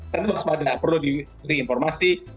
tentu harus ada perlu diwisari informasi